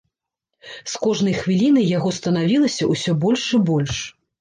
З кожнай хвілінай яго станавілася ўсё больш і больш.